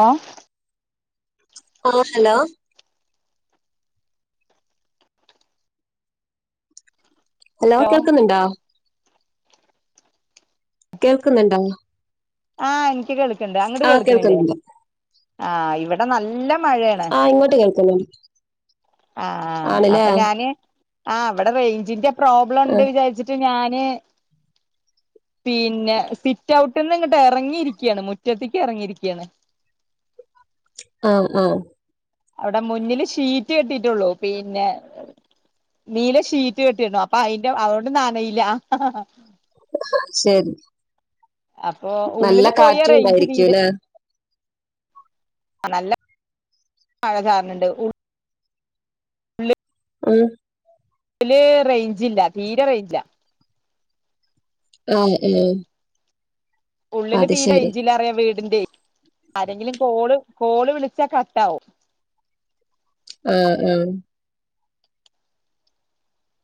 ഓ ആ hello? Hello കേൾക്കുന്നുണ്ടാ? കേൾക്കുന്നുണ്ടോ? ആഹ് എനിക്ക് കേൾക്കണ്ട്, അങ്ങട് ആ കേൾക്കണില്ലേ? കേൾക്കുന്നുണ്ട് ആഹ് ഇവിടെ നല്ല മഴയ. ആഹ് ഇങ്ങോട്ട് കേൾക്കുന്നു. ആഹ് ആ അപ്പൊ ഞാന് ആ അവിടെ റേയ്ഞ്ചിന്റെ പ്രോബ്ലംണ്ട് വിജാരിച്ചി ഞാന് പിന്നെ സിറ്റവു ട്ട്ന്ന് ഇങ്ങട്ട് എറങ്ങിയിരിക്കെണ് മുറ്റത്തേക്ക് എറങ്ങിരിക്കെണ്. ആഹ്, ആഹ് അവിടെ മുന്നില് ഷീറ്റ് കെട്ടിയിട്ടുള്ളൂ. പിന്നെ നീല ഷീറ്റ് കെട്ടിണ്ട്. അപ്പൊ അയിന്റെ അതുകൊണ്ട് നനയില്ല. ശെരി. അപ്പൊ ഉള്ളില് പോയ കാറ്റും റേഞ്ച് ഉണ്ടായിരിക്കും തീരെ അല്ലേ നല്ല മഴ ചാറണ് ണ്ട്. ഉ ഉം. അല് റേഞ്ചില്ല. തീരെ റേഞ്ചില്ല. [unintelligible] ഉള്ളില് അത് തീരെ ശരി ഇഞ്ചിലറിയ വീടിന്റെ ആരെങ്കിലും കോള്, കോള് വിളിച്ചാ കട്ടാവും. ആ ഉം.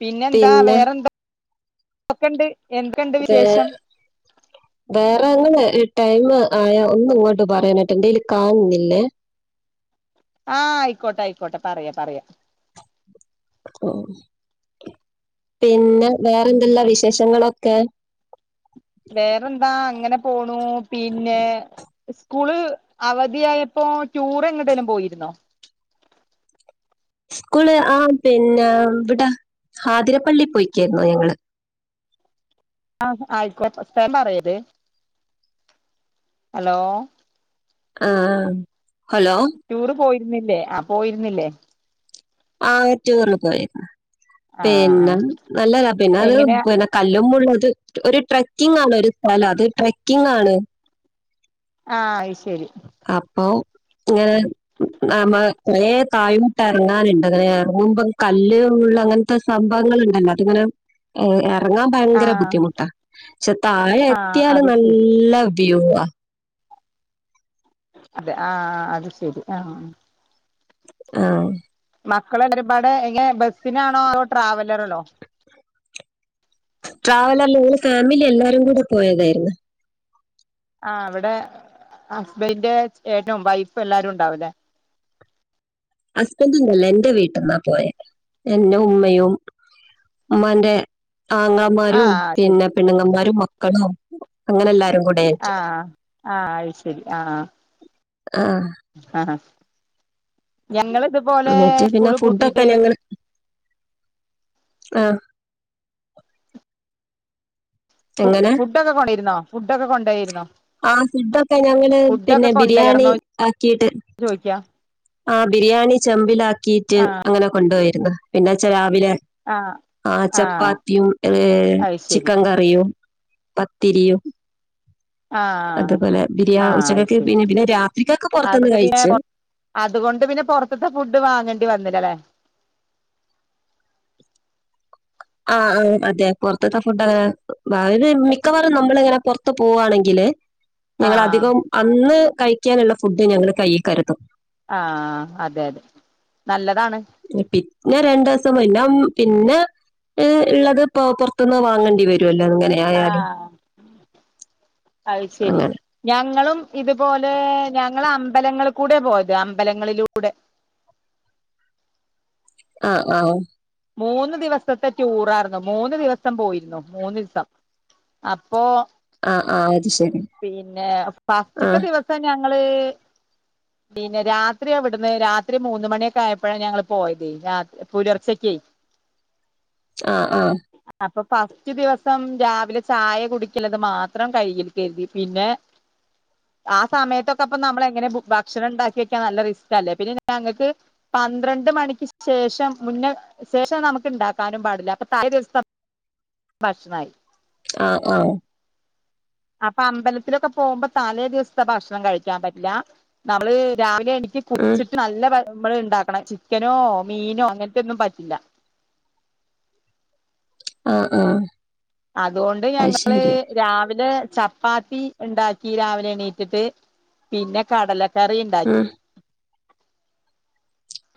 പിന്നെ എന്താ വേറെന്താ ന്തക്കെണ്ട് എന്തുണ്ട് വേ- വിശേഷം. വേറെ അങ്ങനെ ടൈമ് ആയാ ഒന്നും ഇങ്ങോട്ട് പറയാനായിട്ട് എന്റെല് കാണുന്നില്ലേ. ആഹ് ആയിക്കോട്ടെ, ആയിക്കോട്ടെ പറയാ, പറയാ. ഓ പിന്നെ വേറെന്തല്ലാ വിശേഷങ്ങളൊക്കെ. വേറെന്താ അങ്ങനെ പോണു. പിന്നെ ഇസ്കൂള് അവധിയായപ്പോ ടൂറ് എങ്ങടെലും പോയിരുന്നോ? സ്കൂള് ആ പിന്ന ഇവിട ഹാതിരപ്പള്ളി പോയിക്കായിരുന്നു ഞങ്ങള്. ആ ആയിക്കോ ഫസ്റ്റേം പറയല്. അലോ? ആഹ്, ആഹ് ഹലോ? ടൂറ് പോയിരുന്നില്ലേ. ആ പോയിരുന്നില്ലേ. ആ ടൂറിന് പോയിരുന്നു. ആഹ് പിന്നെ ആഹ് നല്ലത പിന്നെ അത് എങ്ങനെയാ പിന കല്ലുമുള്ളത് ഒരു ട്രക്കിങ് ആണ് ഒരു സ്ഥലം അത് ട്രക്കിങ് ആണ്. ആഹ് അയ് ശെരി. അപ്പൊ ങ്ങനെ നമ്മ കൊറെ തായോട്ട് എറങ്ങാനുണ്ട്. അങ്ങനെ എറങ്ങുമ്പ കല്ല്, മുള്ള് അങ്ങനെ ത്തെ സംഭവങ്ങള്ണ്ടല്ലോ. അതിങ്ങനെ എറങ്ങാം ഭയങ്കര ആഹ് ബുദ്ധിമുട്ടാ. ക്ഷെ താഴെ ആഹ് എത്തിയാല് അത് ശരി നല്ല വ്യൂവാ. അതെ. ആഹ്, ആ അത് ശെരി. ആഹ്. ആഹ്. മക്കളെരുപാട് ഇങ്ങനെ ബസ്സിനാണോ അതോ ട്രാവലറിലോ. ട്രാവലറില് ങ്ങള് ഫാമിലി എല്ലാരും കൂടി പോയതായിര്ന്ന്. ആ അവിടെ ഹസ്ബന്റെ ഏട്നും വൈഫ് എല്ലാരും ഉണ്ടാവുലെ. ഹസ്ബൻഡൊന്നല്ല എൻ്റ വീട്ട്ന്നാ പോയെ എന്റെ ഉമ്മയും. മ്മാന്റെ ആങ്ങമാരും ആഹ് ശരി പിന്നെ പെണ്ണുങ്ങമാരും മക്കളും അങ്ങനെല്ലാരും കൂടി- ആഹ് ആഹ് അത്ശരി ആഹ്. ആഹ്. ആഹ് ഞങ്ങള്തും. എന്നിട്ട് പിന്നെ ഫുഡൊക്കെ ഞങ്ങൾ ആഹ് ഫു എങ്ങനെ ഫുഡൊക്കെ കൊണ്ടയിരുന്നോ ഫുഡൊക്കെ കൊണ്ടായിരുന്നോ ആഹ് ഫുഡൊക്കെ ഞങ്ങള് പിന്നെ ബിരിയാണി കൊണ്ടോയിരുന്നോ ആക്കിട്ട് ചോദിക്കാ ആഹ് ബിരിയാണി ചെമ്പിലാക്കിട്ട് അങ്ങനെ കൊണ്ടോയിരുന്നു. പിന്നച്ചാ രാവിലെ ആഹ് ആഹ് ചപ്പാത്തിയും ഏഹ് അത് ശരി ചിക്കൻ കറിയും തിരിയും ആഹ് ബിരിയാ ആഹ് ആഹ് ഉച്ചക്കൊക്കെ അത്ശരി പിന്നെ പിന്നെ രാത്രിക്കൊക്കെ പുറത്തുനിന്ന് അതൊക്കെ പിന്നെ കഴിച്ച് പുറ അതുകൊണ്ട് പിന്നെ പോറത്തിത്തെ ഫുഡ് വാങ്ങേണ്ടി വന്നില്ല അല്ലേ ആഹ് ആഹ് അതെ പുറത്തിത്തെ ഫുഡ് ഇത് മിക്കവാറും നമ്മളിങ്ങനെ പുറത്ത് പോകുവാണെങ്കില് ഞങ്ങൾ ആഹ് അധികം അന്ന് കഴിക്കാനുള്ള ഫുഡ് ഞങ്ങൾ കയ്യിൽ കരുതും ആഹ് അതെ അതെ നല്ലതാണ് പിന്നെ രണ്ടിസം പിന്നെ ഉം പിന്നെ ഏഹ് ഉള്ളത് ഇപ്പം പുറത്തുനിന്ന് വാങ്ങേണ്ടി വരോല്ലോ അങ്ങനെ ആയാലും ആഹ് അത്ശരി അങ്ങനെ ഞങ്ങളും ഇതുപോലെ ഞങ്ങള് അമ്പലങ്ങൾ കൂടെ പോയത് അമ്പലങ്ങളിലൂടെ ആഹ് ആഹ് മൂന്ന് ദിവസത്തെ ടൂറായിരുന്നു മൂന്ന് ദിവസം പോയിരുന്നു മൂന്ന് ദിവസം അപ്പോ ആഹ് ആഹ് അത്ശരി പിന്നെ ഫസ്റ്റത്തെ ദിവസം ഞങ്ങള് പിന്നെ രാത്രി ഇവിടുന്ന് രാത്രി മൂന്ന് മണിയൊക്കെ ആയപ്പോഴ ഞങ്ങൾ പോയത് രാത്രി പുലർച്ചക്ക് ആഹ് ആഹ് അപ്പോ ഫസ്റ്റ് ദിവസം രാവിലെ ചായ കുടിക്കലത് മാത്രം കഴിയി കരുതി പിന്നെ ആ സമയത്തൊക്കെ അപ്പം നമ്മള് എങ്ങനെ ഭക്ഷണം ഉണ്ടാക്കി വെക്കാൻ നല്ല റിസ്കല്ലെ പിന്നെ ഞങ്ങൾക്ക് പന്ത്രണ്ട് മണിക്ക് ശേഷം മുന്നെ ശേഷം നമുക്ക് ഉണ്ടാക്കാനും പാടില്ല അപ്പോ തലേ ദിവസം ഭക്ഷണമായിരി ആഹ് ആഹ് അപ്പോ അമ്പലത്തിലൊക്കെ പോകുമ്പോ താലേ ദിവസത്തെ ഭക്ഷണം കഴിക്കാൻ പറ്റില്ല നമ്മള് രാവിലെ എടക്ക് ഉം ഉച്ചക്ക നല്ല നമ്മള് ഇണ്ടാക്കണം ചിക്കനോ മീനോ അങ്ങനത്തെ ഒന്നും പറ്റില്ല ആഹ് ആഹ് അതുകൊണ്ട് ഞങ്ങള് രാവിലെ ചപ്പാ ചപ്പാത്തി ഉണ്ടാക്കി രാവിലെ എണീറ്റിട്ട് പിന്നെ കടലക്കറി ഉണ്ടാക്കി ഉം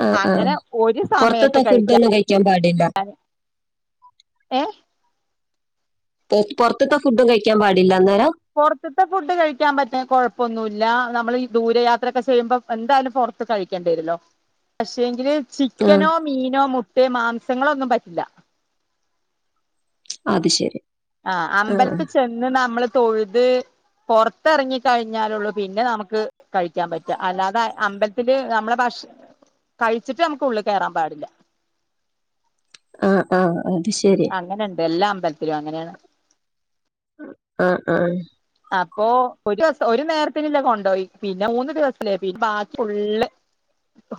ആ ആ അങ്ങനെ ഒരു സമയത്ത് പുറത്തത്തെ കഴിക്കാൻ ഫുഡൊന്നും പാടില്ല ഏഹ് പൊറത്തുത്തെ ഫുഡും കഴിക്കാൻ പാടില്ല അന്നേരം പുറത്തത്തെ ഫുഡ് കഴിക്കാൻ പറ്റും കൊഴപ്പൊന്നുമല്ല നമ്മൾഈ ദൂരയാത്രയൊക്കെ ചെയ്യുമ്പോൾ എന്തായാലും പുറ കഴിക്കേണ്ടി വരുല്ലോ പക്ഷെങ്കില് ആ ചിക്കനോ മീനോ മുട്ടേ മാംസങ്ങളോ ഒന്നും പറ്റില്ല അത്ശരി ആഹ് അമ്പലത്തി ചെന്ന് നമ്മള് തൊഴുത് പോറത്തിറങ്ങി കഴിഞ്ഞാലുള്ളൂ പിന്നെ നമുക്ക് കഴിക്കാൻ പറ്റാ അല്ലാതെ അമ്പലത്തില് നമ്മളെ ഭക്ഷ കഴിച്ചിട്ട് നമുക്ക് ഉള്ളിൽ കയറാൻ പാടില്ല ആ ആ അത് ശരി അങ്ങനെണ്ട് എല്ലാ അമ്പലത്തിലും അങ്ങനെയാണ് ആഹ ആഹ് അപ്പോ ഒരു ദിവഒരുനേരത്തിനുള്ളത് കോണ്ടോയി പിന്നെ മൂന്ന് ദിവസല്ലേ പിന്നെ ബാക്കി ഫുള്ള്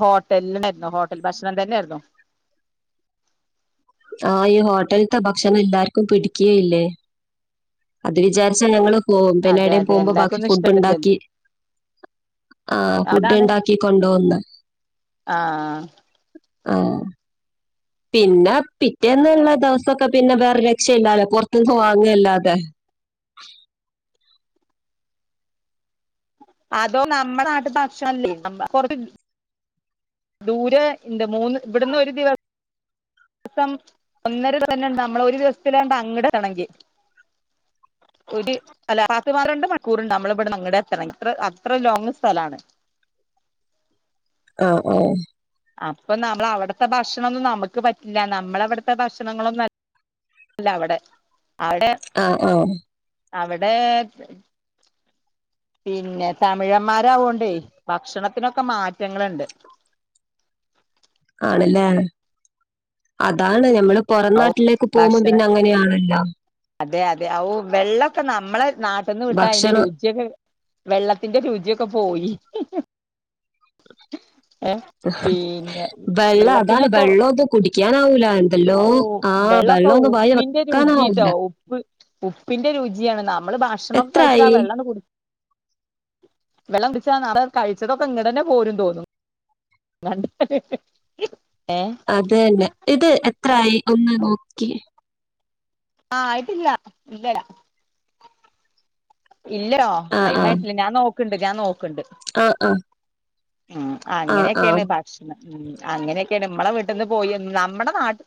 ഹോട്ടലിനായിരുന്നു ഹോട്ടൽ ഭക്ഷണം തന്നെയായിരുന്നു ആഹ് ഈ ഹോട്ടലത്തെ ഭക്ഷണം എല്ലാർക്കും പിടിക്കുകയില്ലേ അത് വിചാരിച്ചാ ഞങ്ങള് പോമ് അതെ പിന്നേടേയും അതെ പോമ്പോ ബാക്കി എല്ലാർക്കൊന്നും ഇഷ്ടപ്പെടില്ലല്ലോ ഫുഡ്ണ്ടാക്കി ആഹ് അതാണ് ഫുഡൊണ്ടാക്കി കൊണ്ടോന്ന ആഹ് ആഹ് പിന്നെ പിറ്റേന്ന്ള്ള ദെവസോക്ക പിന്ന വേറെ രക്ഷ യില്ലാലപൊറത്തൂന്ന് വാങ്ങ ല്ലാതെ അതോ നമ്മടെ നാട്ട് ഭക്ഷണംല്ലേ [unintelligible] ദൂരെ ഇണ്ട് മൂന്ന് ഇവിടുന്ന് ഒരു ദിവ ദിവസം ഒന്നര തന്നെണ്ട് നമ്മള് ഒരു ദിവസത്തിലാണ്ട് അങ്ങട് [unintelligible] ണങ്കി ഒര് അല്ല പത്ത്പന്ത്രണ്ട് മണിക്കൂറ്ണ്ട് അമ്മളിവിട്ന്ന് അങ്ങടെത്തണെങ്കി ഇത്ര അത്ര ലോങ്ങ് സ്ഥലാണ് ആഹ് ആഹ് അപ്പ നമ്മളവിടത്തെ ഭക്ഷണൊന്നും നമക്ക് പറ്റില്ല നമ്മളവിടത്തെ ഭക്ഷണങ്ങളൊന്നും അല്ലവിടെ അവിടെ ആഹ് ആഹ് അവിടെ പിന്നെ തമിഴന്മാരാവോണ്ടെ ഭക്ഷണത്തിനൊക്കെ മാറ്റങ്ങളുണ്ട് ആണല്ലേ അതാണ് ഞമ്മള് പൊറം നാട്ടിലേക്ക് പോകുമ്പം ഭക്ഷണ പിന്നെ അങ്ങനെയാണല്ലോ അതെ അതെ ഔ വെള്ളൊക്കെ നമ്മളെ നാട്ട്ന്ന് വിട്ടാ അയിന്റെ ഭക്ഷണം രുചിയൊക്കെ വെള്ളത്തിന്റെ രുചിയൊക്കെ പോയി ഏ പിന്നെ [inaudible] വെള്ളം അതാണ് വെള്ളത്തിനൊക്കെ വെള്ളോത് കുടിക്കാനാവൂല എന്തല്ലോ ഔ ആ വെള്ളൊക്കെ വെള്ളം ഒന്നും വായി ഉപ്പിന്റെ രുചിട്ടോ വെക്കാനാവൂല ഉപ്പ് ഉപ്പിന്റെ രുചിയാണ് നമ്മള് ഭക്ഷണം കഴിച്ചിട്ടാ എത്രയായി വെള്ളണ്ട് കുടിക്കും വെള്ളം കുടിച്ചാനാവാതെ കഴിച്ചതൊക്കെ ഇങ്ട്ടന്നെ പോരും തോന്നും [unintelligible] ഏഹ് അതന്നെ ഇത് എത്രായി ഒന്ന് നോക്കിയേ ആഹ് ആയിട്ടില്ല ഇല്ലടാ ഇല്ലോ ആ ടൈമായിട്ടില്ല ഞാൻ നോക്ക്‌ണ്ട് ഞാൻ നോക്ക്ണ്ട് ആഹ് ആഹ് ഉം അങ്ങനെക്കേണ് ഭാ ഉം അങ്ങനെക്കെണ് മ്മളെ വീട്ടിന്ന് പോയി നമ്മടെ നാട്ട്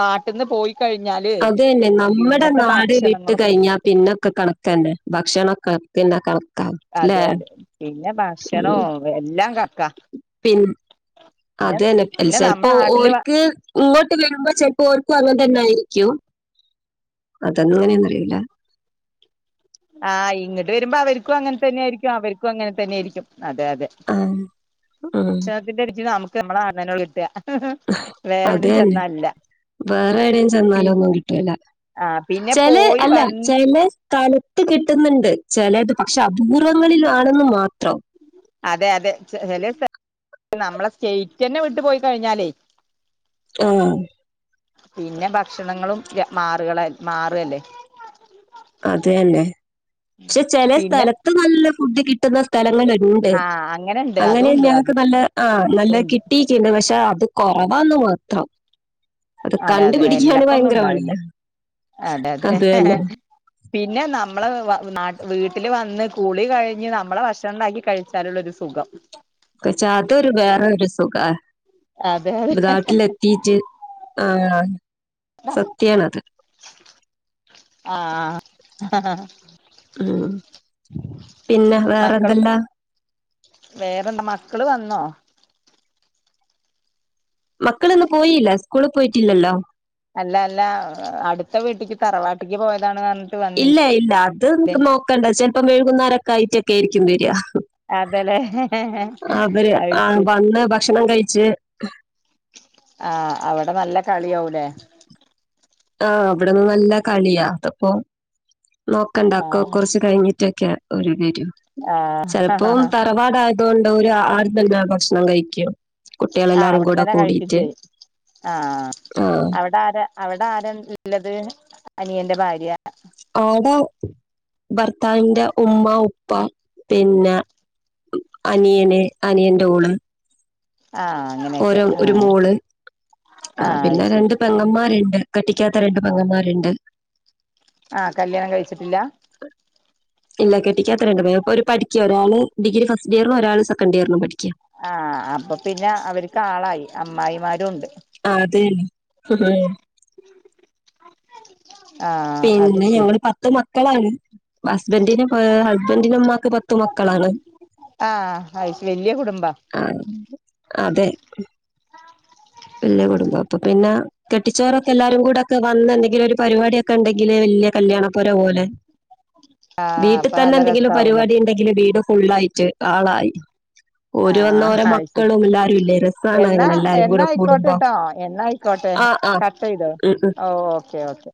നാട്ട്ന്ന് പോയി കഴിഞ്ഞാല് അത് ന്നെ നമ്മടെ പിന്നത്തെ നാട് വിട്ട് ഭക്ഷണങ്ങളൊക്കെ കഴിഞ്ഞാ പിന്നൊക്കെ കണക്കന്നെ ഭക്ഷണൊക്കെ ഇണ്ടാക്കണം അതെ അതെ പിന്നെ ഭക്ഷണോ ഉം. എല്ലാം കണ്ക്ക പിൻ അതന്നെ ചെൽപ്പോ നമ്മുടെ നാട്ടില് ഓര്ക്ക് ഇങ്ങോട്ട് വരുമ്പോ ചെൽപ്പോ ഓർക്കും അങ്ങൻതന്നായിരിക്കും അതെങ്ങനെന്ന് അറിയില്ല ആഹ് ഇങ്ട്ട് വരുമ്പോ അവർക്കും അങ്ങനെ തന്നെയിരിക്കും അവർക്കും അങ്ങനെ തന്നെയിരിക്കും അതെ അതെ ആഹ് ആഹ് [unintelligible] നമുക്ക് നമ്മള നാട്ട്ന്നെള്ളു കിട്ട വേറെ അത് എവിടിം തന്നെ. ചെന്നാ ല്ല വേറെ എവിടെയും ചെന്നാലൊന്നും കിട്ടൂല്ല ആ പിന്നെ ചെലെ പോയി അല്ല വന്ന് ചെലെ കാല കിട്ടുന്നുണ്ട് ചെലത് പക്ഷെ അപൂർവങ്ങളിൽ ആണെന്ന് മാത്രം അതെ അതെ ചെ ചെലെ സ്ഥല നമ്മളെ സ്റ്റേറ്റന്നെ വിട്ടു പോയി കഴിഞ്ഞാലേ ആഹ് പിന്നെ ഭക്ഷണങ്ങളും മാറുകളല് മാറല്ലേ അത് തന്നെ പക്ഷെ ചെലെ പിന്നെ സ്ഥലത്ത് നല്ല ഫുഡ് കിട്ടുന്ന സ് സ്ഥലങ്ങള്ണ്ട് ആ അങ്ങനെണ്ട് അങ്ങനെ അതുണ്ട് ഞങ്ങക്ക് അതും നല്ല ആഹ് നല്ല കി ട്ടീക്കിണ്ട് പക്ഷേ അത് കൊറവാന്ന് മാത്രം അത് അതെ അതെ കണ്ടുപിടിക്കാന് എല്ലാപ്പൊന്നും ഭയങ്കര ഉണ്ടാവില്ല പണിയാ അതെ അത് അതെ തന്നെ പിന്നെ നമ്മള് വ നാ വീട്ടില് വന്ന് കുളി കഴിഞ്ഞ് നമ്മളെ ഭക്ഷണണ്ടാക്കി കഴിച്ചാലുള്ളൊരു സുഖം കയ്ച്ചാ അതൊരു ബേറരു സുഖാ. അതെ അതെ ബതാട്ടിലെത്തീറ്റ് ആഹ് സത്യണത്. ആഹ് ഹ ഹ ഹ. ആഹ് പിന്നെ മക്കള് വേറെന്തെല്ലാ? വേറെന്താ മക്കള് വന്നോ? മക്കള്ന്ന്‌ പോയില്ല സ്കൂള് പോയിറ്റില്ലല്ലോ. അല്ല ല്ല അടുത്ത വീട്ടിക്ക് തറവാട്ടിക്ക് പോയതാണ്ന്ന ഇല്ല ഇല്ല അത് ക്ക് നോക്കണ്ട ചെൽപ്പം വെഴുകുന്നരൊക്കെ ആയിറ്റൊക്കെര്ക്കും വെര. അതെല്ലേ അവര് അത് ആ ശരി വന്ന് ഭക്ഷണം കഴിച്ച്. ആഹ് അവടെ നല്ല കളിയാവുലേ? ആഹ് ബടന്ന് നല്ല കളിയാ അതപ്പോ നോക്കണ്ട അക്ക ആഹ് കൊർച്ച് കഴിഞ്ഞിട്ടൊക്കെയ. ഒരു വരു ചെലപ്പോ ആഹ് തറവാടായതോണ്ട് ഓര് ആട് തന്ന ഭക്ഷണം കഴിക്ക്യും. ആഹ് അവിടന്നന്നെ കഴികും ചെയ്യും ആഹ് ആഹ് അവിടാരാ? അവിടെ ആരൽല്ലത് അനിയന്റെ ഭാര്യ. ആടെ ഭർത്താവിന്റെ ഉമ്മ ഉപ്പ പിന്നെ. അനിയന് അനിയൻ്റോള്. ആഹ്. അങ്ങനെയൊക്കെ ഓരോ ഒരു ആഹ് മോള് ആ ആഹ് അത് പിന്നെ ശരി രണ്ട് പെങ്ങമാരണ്ട്. കെട്ടിക്ക്യാത്ത രണ്ട് പങ്ങന്മാര്ണ്ട്. ആഹ് കല്യാണം കഴിച്ചിട്ടില്ല. [inaudible] ഇല്ല കെട്ടിക്കാത്ത രണ്ട് പേർ പ്പൊര് പഠിക്ക്യ, ഒരാള് ഡിഗ്രി ഫസ്റ്റ് ഇയറും ഒരാൾ സെക്കൻ്റിയറിനും പഠിക്ക്യ. ആഹ് അപ്പ പിന്നെ അവര്ക്കാ ളായി അമ്മായിമാരും ഉണ്ട്. ആ തെ ഹ. ആഹ് അത് പിന്നെ ശരി ഞമ്മള് പ ത്ത് മക്കളാണ്. ഹസ്ബൻ്റിന് ആ ഹസ്ബൻ്റിനുമ്മാക്ക് പത്തു മക്കളാണ്. ആഹ് ആ വല്യ കുടുംബാ. ആ അതെ. വല്ല്യ കുടുംബം അപ്പൊ പിന്നെ കെട്ടിച്ചോരൊക്കെ എല്ലാരും കൂടെക്കെ വന്ന് എന്തെങ്കിലൊരു പരിപാട്യക്കെ ണ്ടെങ്കില് വല്ല്യ കല്യാണപ്പൊര പോലെ. ആഹ് അപ്പൊ വീട്ട്തന്നെ നല്ല എന്തെങ്കിലും രസാവൂലേ പരിപാടി ണ്ടെങ്കില് വീട് ഫുള്ളായിറ്റ് ആളായി. ആഹ് ഓരോന്നോരോ അത് ശരി മക്കളും ല്ലാരും ഇല്ലേ രസാണ് അങ്ങനെ എല്ലാരും കൂടെ കൂടുമ്പോ ക്കോട്ടെട്ടോ എന്നയിക്കോട്ടെ ആ ആ കട്ടെയ്തോ ഉം ഓക്കെ ഓക്കെ.